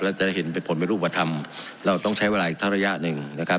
แล้วจะได้เห็นเป็นผลเป็นรูปธรรมเราต้องใช้เวลาอีกทั้งระยะหนึ่งนะครับ